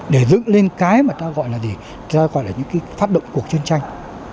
để dựng lên cái mà ta gọi là gì ta gọi là những phát động cuộc chiến tranh